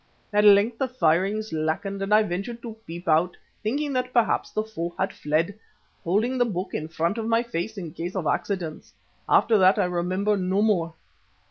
"At length the firing slackened, and I ventured to peep out, thinking that perhaps the foe had fled, holding the Book in front of my face in case of accidents. After that I remember no more."